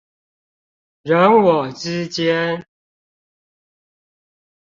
人我之間